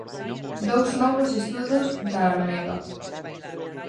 Dous novos estudos da Armega.